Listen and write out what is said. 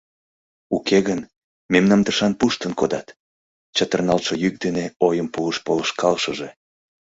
Уке гын мемнам тышан пуштын кодат, — чытырналтше йӱк дене ойым пуыш полышкалышыже.